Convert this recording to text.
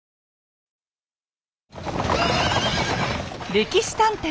「歴史探偵」